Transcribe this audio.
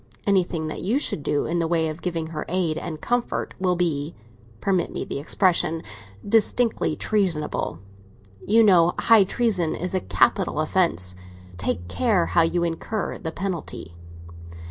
Anything that you should do in the way of giving her aid and comfort will be—permit me the expression—distinctly treasonable. You know high treason is a capital offence; take care how you incur the penalty."